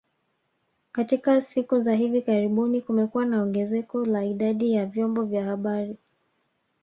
Katika siku za hivi karibuni kumekuwa na ongezeko la idadi ya vyombo vya habari